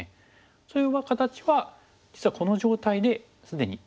それは形は実はこの状態で既に生きてるんです。